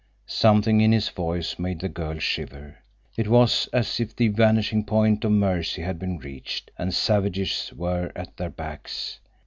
Something in his voice made the girl shiver. It was as if the vanishing point of mercy had been reached, and savages were at their backs.